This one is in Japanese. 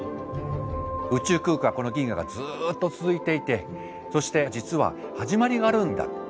宇宙空間はこの銀河がずっと続いていてそして実は始まりがあるんだ。